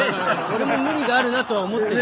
俺も無理があるなとは思ってる。